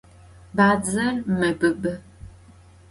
Badzer mebıbı.